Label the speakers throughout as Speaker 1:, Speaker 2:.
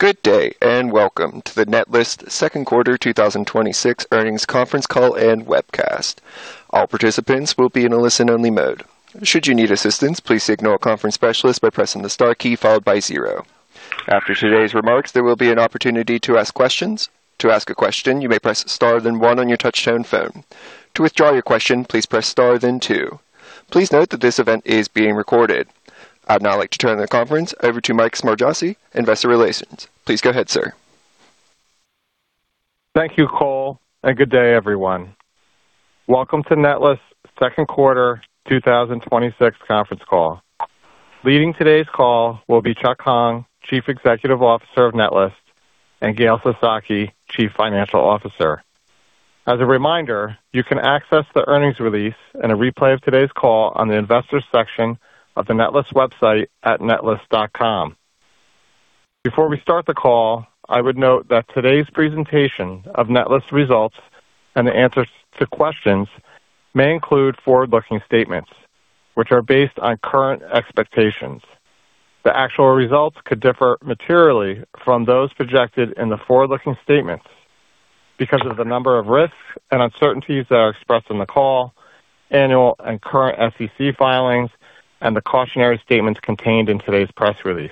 Speaker 1: Good day, welcome to the Netlist second quarter 2026 earnings conference call and webcast. All participants will be in a listen-only mode. Should you need assistance, please signal a conference specialist by pressing the star key followed by zero. After today's remarks, there will be an opportunity to ask questions. To ask a question, you may press star, then one on your touchtone phone. To withdraw your question, please press star, then two. Please note that this event is being recorded. I'd now like to turn the over to Mike Smargiassi, investor relations. Please go ahead, sir.
Speaker 2: Thank you, Cole, good day everyone. Welcome to Netlist's second quarter 2026 conference call. Leading today's call will be Chuck Hong, Chief Executive Officer of Netlist, and Gail Sasaki, Chief Financial Officer. As a reminder, you can access the earnings release and a replay of today's call on the investors section of the netlist.com website. Before we start the call, I would note that today's presentation of Netlist results and the answers to questions may include forward-looking statements, which are based on current expectations. The actual results could differ materially from those projected in the forward-looking statements because of the number of risks and uncertainties that are expressed in the call, annual and current SEC filings, and the cautionary statements contained in today's press release.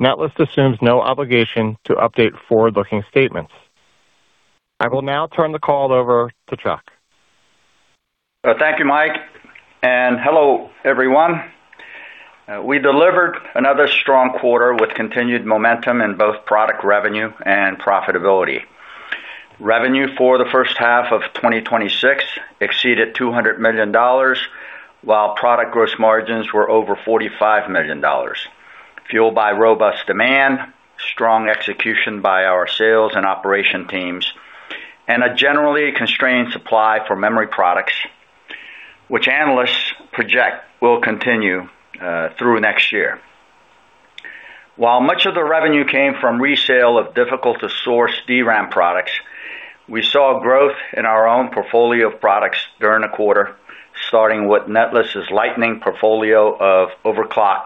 Speaker 2: Netlist assumes no obligation to update forward-looking statements. I will now turn the call over to Chuck.
Speaker 3: Thank you, Mike, hello everyone. We delivered another strong quarter with continued momentum in both product revenue and profitability. Revenue for the first half of 2026 exceeded $200 million, while product gross margins were over $45 million, fueled by robust demand, strong execution by our sales and operation teams, and a generally constrained supply for memory products, which analysts project will continue through next year. While much of the revenue came from resale of difficult-to-source DRAM products, we saw growth in our own portfolio of products during the quarter, starting with Netlist's Lightning portfolio of overclock,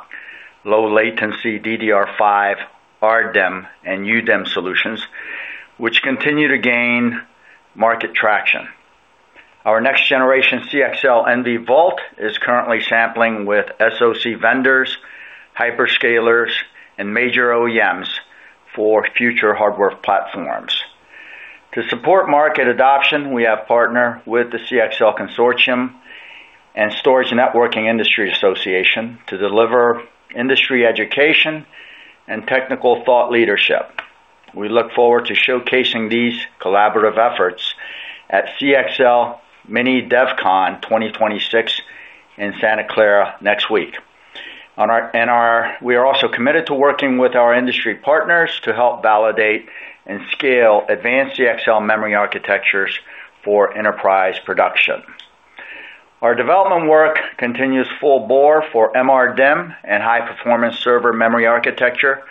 Speaker 3: low latency DDR5 RDIMM and UDIMM solutions, which continue to gain market traction. Our next generation CXL NVvault is currently sampling with SoC vendors, hyperscalers, and major OEMs for future hardware platforms. To support market adoption, we have partnered with the CXL Consortium and Storage Networking Industry Association to deliver industry education and technical thought leadership. We look forward to showcasing these collaborative efforts at CXL Mini DevCon 2026 in Santa Clara next week. We are also committed to working with our industry partners to help validate and scale advanced CXL memory architectures for enterprise production. Our development work continues full bore for MRDIMM and high-performance server memory architecture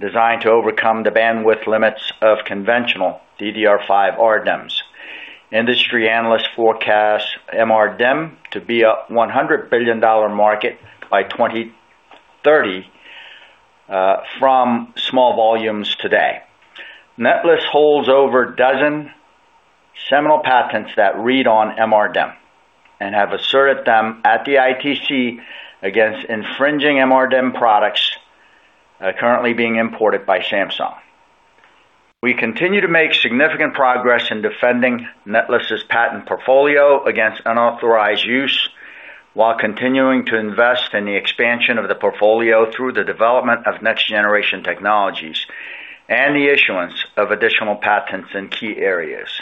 Speaker 3: designed to overcome the bandwidth limits of conventional DDR5 RDIMMs. Industry analysts forecast MRDIMM to be a $100 billion market by 2030 from small volumes today. Netlist holds over a dozen seminal patents that read on MRDIMM and have asserted them at the ITC against infringing MRDIMM products currently being imported by Samsung. We continue to make significant progress in defending Netlist's patent portfolio against unauthorized use while continuing to invest in the expansion of the portfolio through the development of next-generation technologies and the issuance of additional patents in key areas.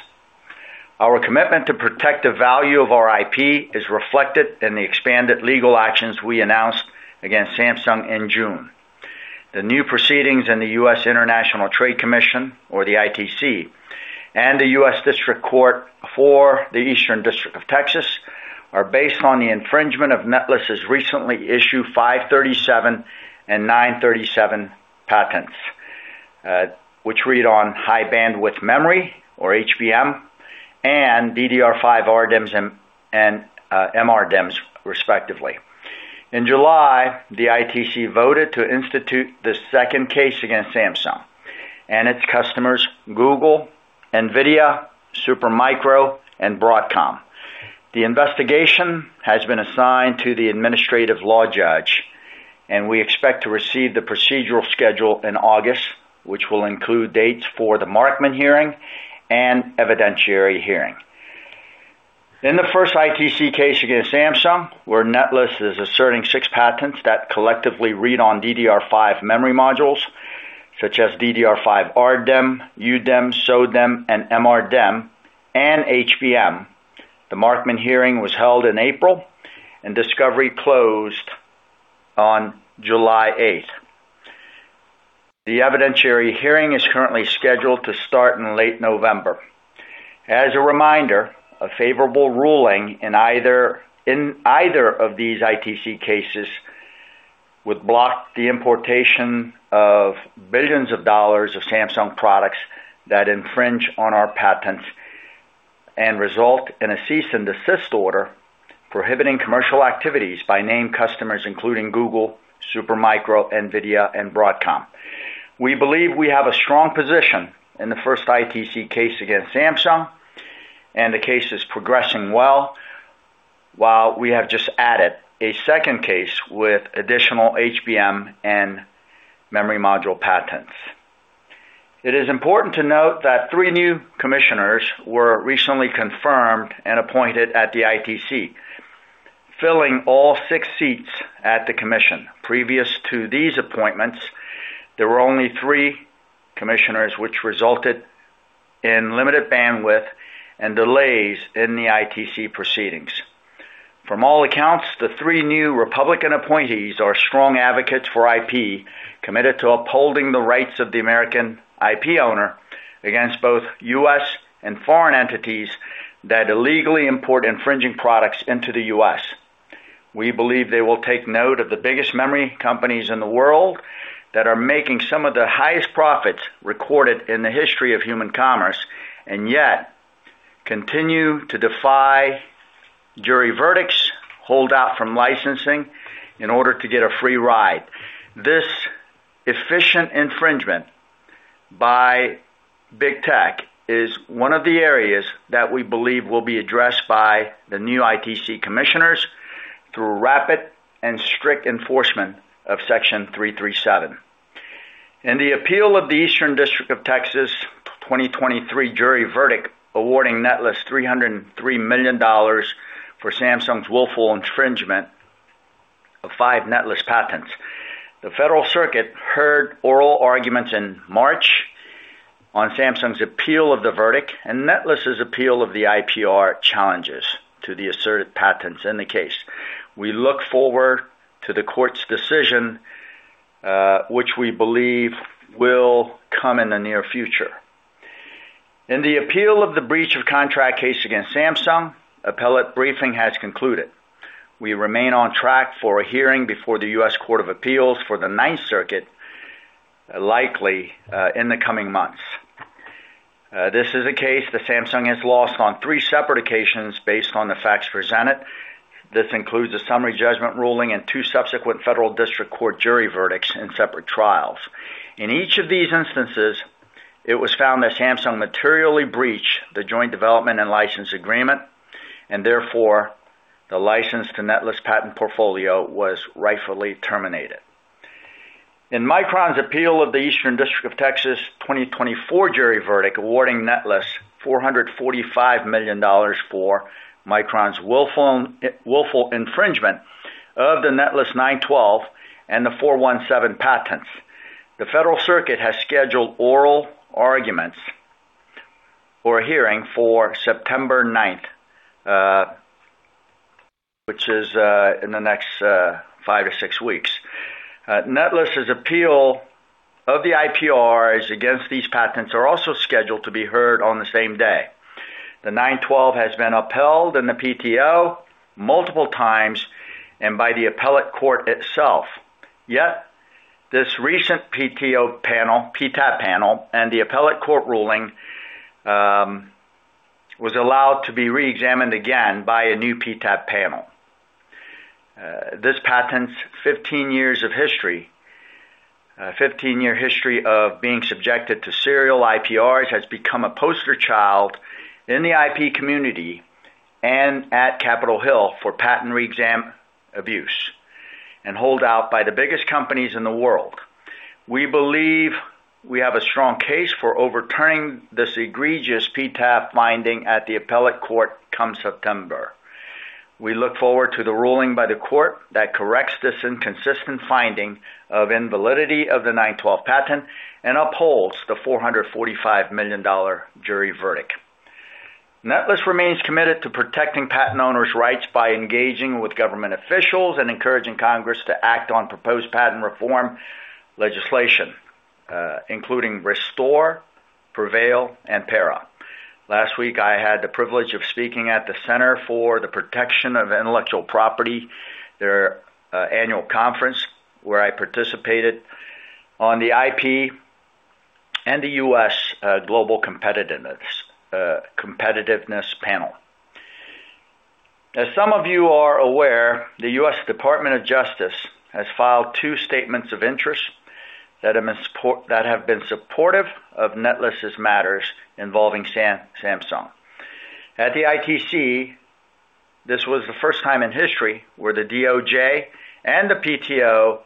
Speaker 3: Our commitment to protect the value of our IP is reflected in the expanded legal actions we announced against Samsung in June. The new proceedings in the U.S. International Trade Commission, or the ITC, and the U.S. District Court for the Eastern District of Texas are based on the infringement of Netlist's recently issued 537 and 937 patents, which read on high-bandwidth memory, or HBM, and DDR5 RDIMMs and MRDIMMs respectively. In July, the ITC voted to institute the second case against Samsung and its customers Google, Nvidia, Supermicro, and Broadcom. The investigation has been assigned to the administrative law judge, and we expect to receive the procedural schedule in August, which will include dates for the Markman hearing and evidentiary hearing. In the first ITC case against Samsung, where Netlist is asserting six patents that collectively read on DDR5 memory modules such as DDR5 RDIMM, UDIMM, SO-DIMM, and MRDIMM, and HBM. The Markman hearing was held in April and discovery closed on July 8th. The evidentiary hearing is currently scheduled to start in late November. As a reminder, a favorable ruling in either of these ITC cases would block the importation of billions of dollars of Samsung products that infringe on our patents. Result in a cease and desist order prohibiting commercial activities by named customers including Google, Supermicro, Nvidia, and Broadcom. We believe we have a strong position in the first ITC case against Samsung, and the case is progressing well, while we have just added a second case with additional HBM and memory module patents. It is important to note that three new commissioners were recently confirmed and appointed at the ITC, filling all six seats at the commission. Previous to these appointments, there were only three commissioners which resulted in limited bandwidth and delays in the ITC proceedings. From all accounts, the three new Republican appointees are strong advocates for IP, committed to upholding the rights of the American IP owner against both U.S. and foreign entities that illegally import infringing products into the U.S. We believe they will take note of the biggest memory companies in the world that are making some of the highest profits recorded in the history of human commerce, and yet continue to defy jury verdicts, hold out from licensing in order to get a free ride. This efficient infringement by Big Tech is one of the areas that we believe will be addressed by the new ITC commissioners through rapid and strict enforcement of Section 337. In the appeal of the Eastern District of Texas 2023 jury verdict awarding Netlist $303 million for Samsung's willful infringement of five Netlist patents. The Federal Circuit heard oral arguments in March on Samsung's appeal of the verdict and Netlist's appeal of the IPR challenges to the asserted patents in the case. We look forward to the court's decision, which we believe will come in the near future. In the appeal of the breach of contract case against Samsung, appellate briefing has concluded. We remain on track for a hearing before the U.S. Court of Appeals for the Ninth Circuit, likely in the coming months. This is a case that Samsung has lost on three separate occasions based on the facts presented. This includes a summary judgment ruling and two subsequent federal district court jury verdicts in separate trials. In each of these instances, it was found that Samsung materially breached the joint development and license agreement, and therefore, the license to Netlist patent portfolio was rightfully terminated. In Micron's appeal of the Eastern District of Texas 2024 jury verdict awarding Netlist $445 million for Micron's willful infringement of the Netlist '912 and the '417 patents. The Federal Circuit has scheduled oral arguments or a hearing for September 9th, which is in the next five to six weeks. Netlist's appeal of the IPRs against these patents are also scheduled to be heard on the same day. The '912 has been upheld in the PTO multiple times and by the appellate court itself. Yet, this recent PTAB panel and the appellate court ruling, was allowed to be re-examined again by a new PTAB panel. This patent's 15 years of history, a 15-year history of being subjected to serial IPRs, has become a poster child in the IP community and at Capitol Hill for patent re-exam abuse and holdout by the biggest companies in the world. We believe we have a strong case for overturning this egregious PTAB finding at the appellate court come September. We look forward to the ruling by the court that corrects this inconsistent finding of invalidity of the '912 patent and upholds the $445 million jury verdict. Netlist remains committed to protecting patent owners' rights by engaging with government officials and encouraging Congress to act on proposed patent reform legislation, including RESTORE, PREVAIL, and PERA. Last week, I had the privilege of speaking at the Center for the Protection of Intellectual Property, their annual conference, where I participated on the IP and the U.S. Global Competitiveness panel. As some of you are aware, the U.S. Department of Justice has filed two statements of interest that have been supportive of Netlist's matters involving Samsung. At the ITC, this was the first time in history where the DOJ and the PTO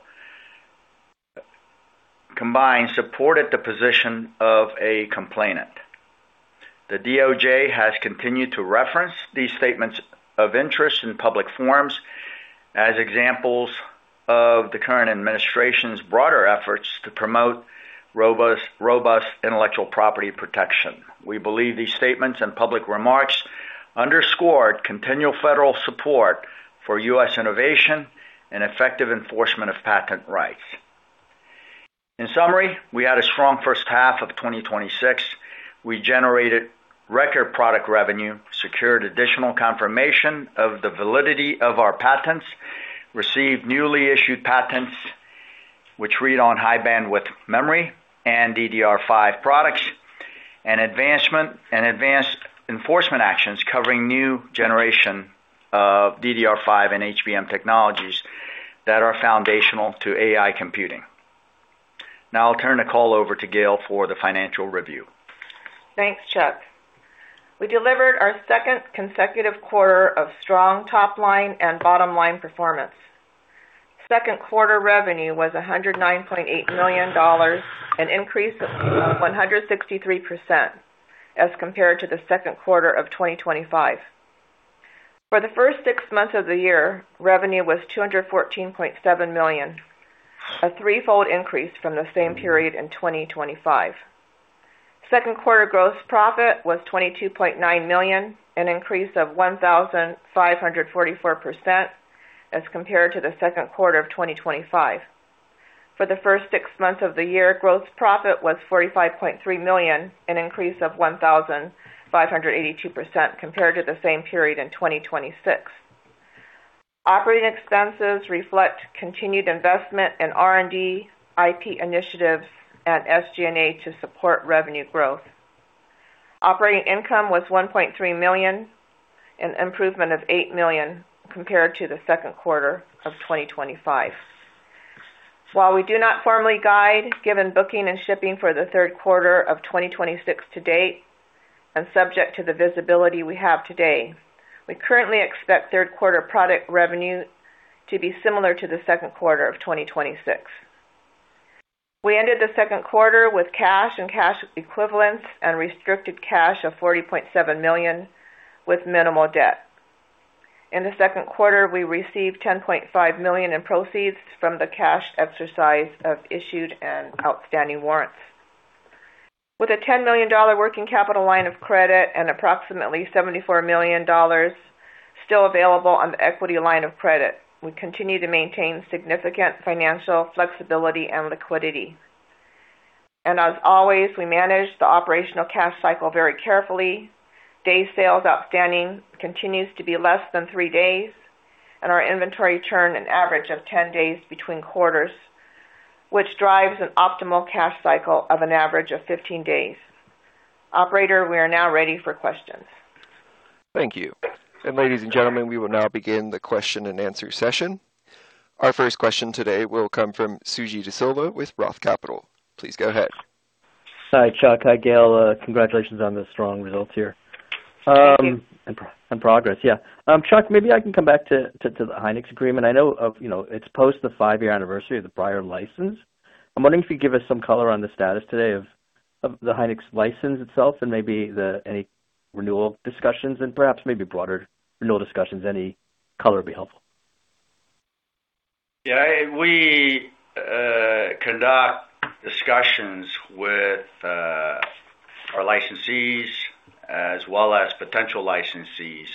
Speaker 3: combined supported the position of a complainant. The DOJ has continued to reference these statements of interest in public forums as examples of the current administration's broader efforts to promote robust intellectual property protection. We believe these statements and public remarks underscored continual federal support for U.S. innovation and effective enforcement of patent rights. In summary, we had a strong first half of 2026. We generated record product revenue, secured additional confirmation of the validity of our patents, received newly issued patents which read on high bandwidth memory and DDR5 products, and advanced enforcement actions covering new generation of DDR5 and HBM technologies that are foundational to AI computing. I'll turn the call over to Gail for the financial review.
Speaker 4: Thanks, Chuck. We delivered our second consecutive quarter of strong top-line and bottom-line performance. Second quarter revenue was $109.8 million, an increase of 163% as compared to the second quarter of 2025. For the first six months of the year, revenue was $214.7 million, a threefold increase from the same period in 2025. Second quarter gross profit was $22.9 million, an increase of 1,544% as compared to the second quarter of 2025. For the first six months of the year, gross profit was $45.3 million, an increase of 1,582% compared to the same period in 2026. Operating expenses reflect continued investment in R&D, IP initiatives, and SG&A to support revenue growth. Operating income was $1.3 million, an improvement of $8 million compared to the second quarter of 2025. While we do not formally guide, given booking and shipping for the third quarter of 2026 to date, and subject to the visibility we have today, we currently expect third quarter product revenue to be similar to the second quarter of 2026. We ended the second quarter with cash and cash equivalents and restricted cash of $40.7 million with minimal debt. In the second quarter, we received $10.5 million in proceeds from the cash exercise of issued and outstanding warrants. With a $10 million working capital line of credit and approximately $74 million still available on the equity line of credit, we continue to maintain significant financial flexibility and liquidity. As always, we manage the operational cash cycle very carefully. Day sales outstanding continues to be less than three days, and our inventory turn an average of 10 days between quarters, which drives an optimal cash cycle of an average of 15 days. Operator, we are now ready for questions.
Speaker 1: Thank you. Ladies and gentlemen, we will now begin the question and answer session. Our first question today will come from Suji Desilva with Roth Capital. Please go ahead.
Speaker 5: Hi, Chuck. Hi, Gail. Congratulations on the strong results here.
Speaker 4: Thank you.
Speaker 5: Progress, yeah. Chuck, maybe I can come back to the Hynix agreement. I know it's post the five-year anniversary of the prior license. I am wondering if you could give us some color on the status today of the Hynix license itself and maybe any renewal discussions and perhaps maybe broader renewal discussions. Any color would be helpful.
Speaker 3: Yeah. We conduct discussions with our licensees as well as potential licensees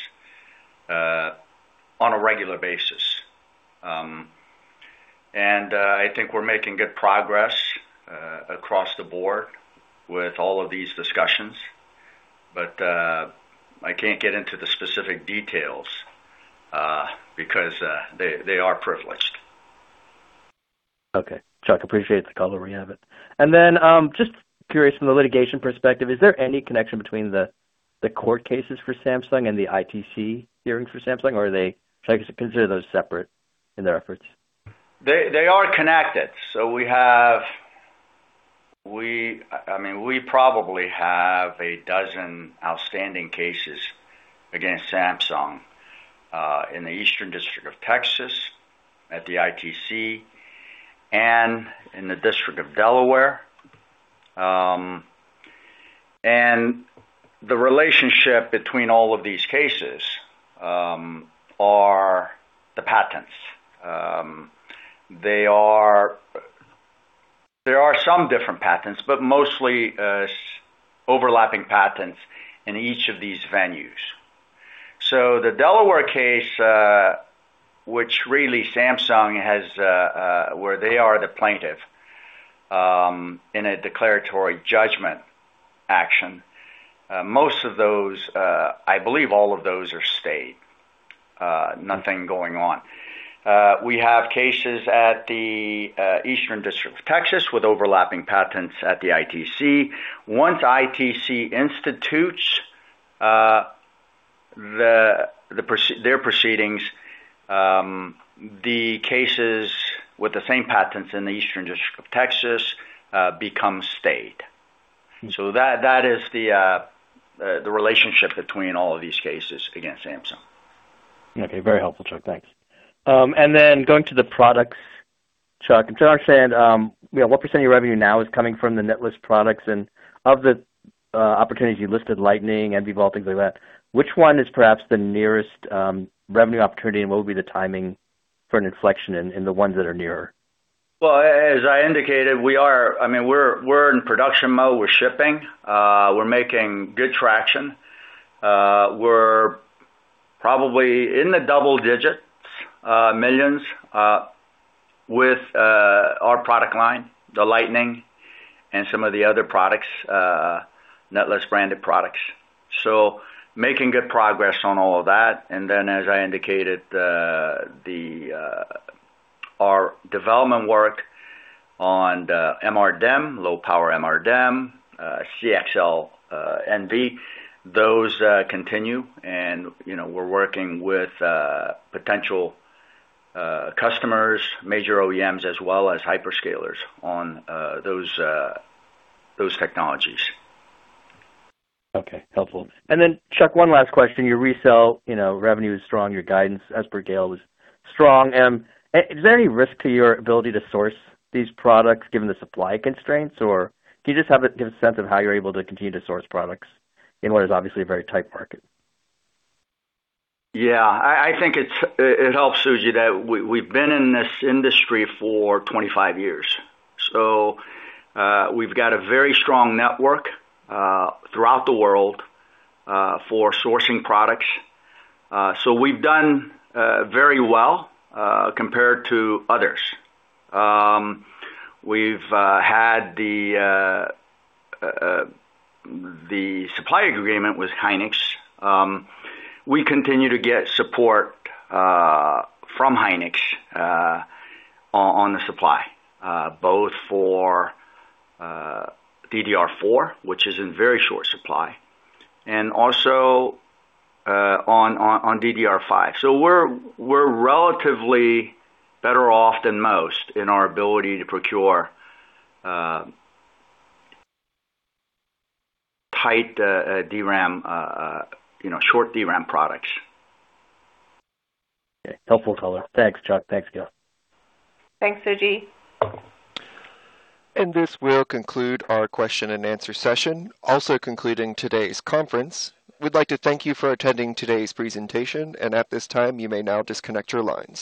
Speaker 3: on a regular basis. I think we are making good progress across the board with all of these discussions, but I cannot get into the specific details because they are privileged.
Speaker 5: Okay. Chuck, appreciate the color where you have it. Just curious from the litigation perspective, is there any connection between the court cases for Samsung and the ITC hearing for Samsung, or should I consider those separate in their efforts?
Speaker 3: They are connected. We probably have a dozen outstanding cases against Samsung, in the Eastern District of Texas at the ITC and in the District of Delaware. The relationship between all of these cases are the patents. There are some different patents, but mostly overlapping patents in each of these venues. The Delaware case, which really Samsung has, where they are the plaintiff, in a declaratory judgment action. Most of those, I believe all of those are stayed. Nothing going on. We have cases at the Eastern District of Texas with overlapping patents at the ITC. Once ITC institutes their proceedings, the cases with the same patents in the Eastern District of Texas become stayed. That is the relationship between all of these cases against Samsung.
Speaker 5: Okay. Very helpful, Chuck. Thanks. Going to the products, Chuck, I'm trying to understand what % of your revenue now is coming from the Netlist products. Of the opportunities you listed, Lightning, NVvault, things like that, which one is perhaps the nearest revenue opportunity, and what will be the timing for an inflection in the ones that are nearer?
Speaker 3: Well, as I indicated, we're in production mode. We're shipping. We're making good traction. We're probably in the double-digit millions with our product line, the Lightning. Some of the other products, Netlist branded products. Making good progress on all of that. As I indicated, our development work on the MRDIMM, low power MRDIMM, CXL NV, those continue, and we're working with potential customers, major OEMs, as well as hyperscalers on those technologies.
Speaker 5: Okay. Helpful. Chuck, one last question. Your resell revenue is strong. Your guidance, as per Gail, was strong. Is there any risk to your ability to source these products given the supply constraints, or do you just have a sense of how you're able to continue to source products in what is obviously a very tight market?
Speaker 3: Yeah. I think it helps, Suji, that we've been in this industry for 25 years, we've got a very strong network throughout the world for sourcing products. We've done very well compared to others. We've had the supply agreement with Hynix. We continue to get support from Hynix on the supply both for DDR4, which is in very short supply, and also on DDR5. We're relatively better off than most in our ability to procure tight DRAM, short DRAM products.
Speaker 5: Okay. Helpful color. Thanks, Chuck. Thanks, Gail.
Speaker 4: Thanks, Suji.
Speaker 1: This will conclude our question and answer session, also concluding today's conference. We'd like to thank you for attending today's presentation. At this time, you may now disconnect your lines.